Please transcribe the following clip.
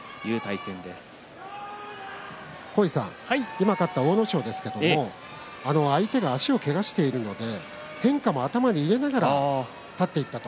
今、勝った阿武咲ですが相手が足をけがしているので変化も頭に入れながら立っていった。